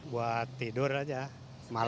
buat tidur aja